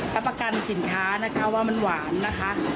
รับประกันสินค้านะคะว่ามันหวานนะคะ